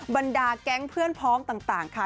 บรรดาแก๊งเพื่อนพ้องต่างค่ะ